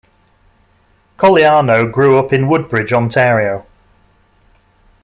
Cogliano grew up in Woodbridge, Ontario.